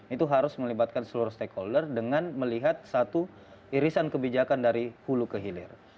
itu harus melibatkan seluruh stakeholder dengan melihat satu irisan kebijakan dari hulu ke hilir